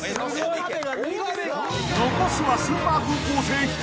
［残すはスーパー高校生１人。